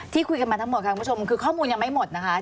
คุยกันมาทั้งหมดค่ะคุณผู้ชมคือข้อมูลยังไม่หมดนะคะ